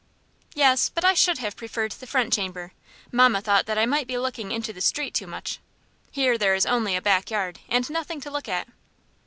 "Yes; but I should have preferred the front chamber. Mamma thought that I might be looking into the street too much. Here there is only a back yard, and nothing to look at."